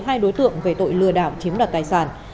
hai đối tượng về tội lừa đảo chiếm đoạt tài sản